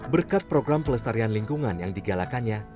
berkat program pelestarian lingkungan yang digalakannya